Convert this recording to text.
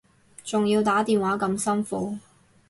仲要打電話咁辛苦